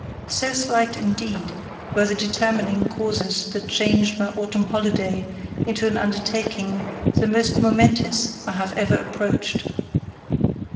So slight indeed were the determining causes that changed my autumn holiday into an undertaking the most momentous I have ever approached.